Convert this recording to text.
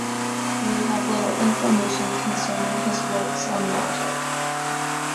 We have little information concerning his works on Logic.